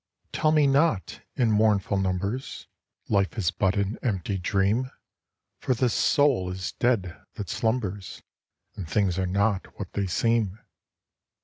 Tell me not, in mournful numbers, Life is but an empty dream ! For the soul is dead that slumbers. And things are not what they seem.